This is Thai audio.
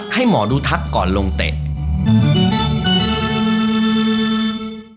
สวัสดีครับ